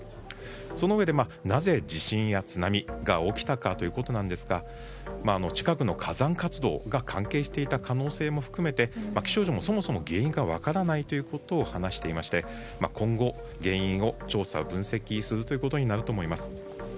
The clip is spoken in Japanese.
そのうえでなぜ地震や津波が起きたかなんですが近くの火山活動が関係していた可能性も含めて気象庁も、そもそも原因が分からないということを話していまして、今後原因を調査・分析することになると思います。